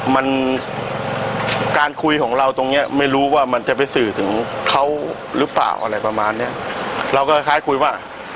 เราก็คล้ายคุยว่า